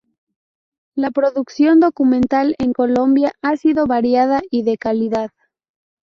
La producción documental en Colombia ha sido variada y de calidad.